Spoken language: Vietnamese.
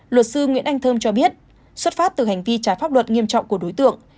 luật sư nguyễn anh thơm cho biết xuất phát từ hành vi trái pháp luật nghiêm trọng của đối tượng